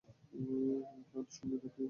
কানে শোনে না না-কি?